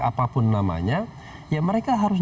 apapun namanya ya mereka harus